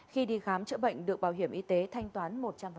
khi đi khám chữa bệnh được bảo hiểm y tế thanh toán một trăm linh